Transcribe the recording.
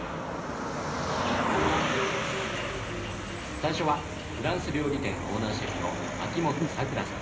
最初はフランス料理店オーナーシェフの秋元さくらさん。